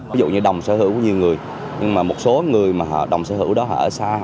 ví dụ như đồng sở hữu có nhiều người nhưng mà một số người mà đồng sở hữu đó ở xa